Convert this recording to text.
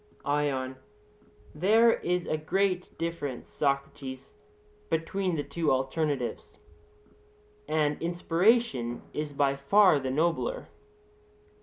ION: There is a great difference, Socrates, between the two alternatives; and inspiration is by far the nobler.